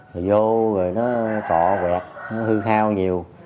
rồi vô rồi nó trọ quẹt nó hư khao nhiều